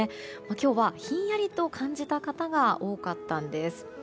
今日はひんやりと感じた方が多かったんです。